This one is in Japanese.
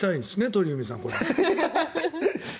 鳥海さんこれ。